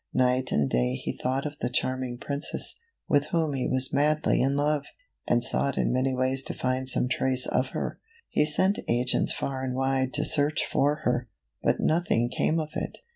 Night and day he thought of the charming Princess, with whom he was madly in love, and sought in many ways to find some trace of her. He sent agents far and wide to search for her, but nothing came of it.